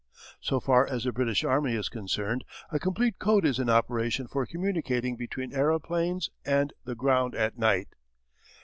So far as the British Army is concerned a complete code is in operation for communicating between aeroplanes and the ground at night.